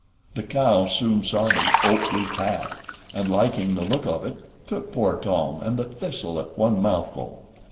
The cow soon saw the oak leaf hat, and, liking the look of it, took poor Tom and the thistle at one mouthful.